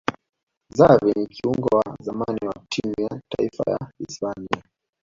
xavi ni kiungo wa zamani ya timu ya taifa ya hispania